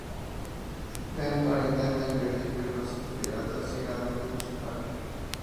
Denton intenta impedir que los piratas sigan adelante con su plan.